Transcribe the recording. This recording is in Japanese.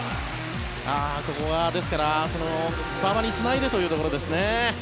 ここは馬場につないでというところですね。